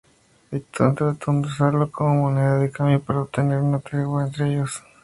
Haitón trató de usarlo como moneda de cambio para obtener una tregua con ellos.